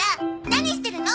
何してるの？